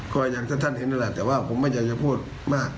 ก็อย่างที่ท่านเห็นนั่นแหละแต่ว่าผมไม่อยากจะพูดมาก